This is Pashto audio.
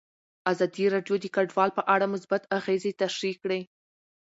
ازادي راډیو د کډوال په اړه مثبت اغېزې تشریح کړي.